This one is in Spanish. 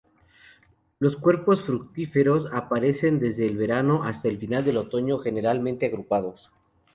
Los cuerpos fructíferos aparecen desde el verano hasta el final del otoño, generalmente agrupados.